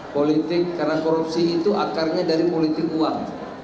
politik karena korupsi itu akarnya dari politik uang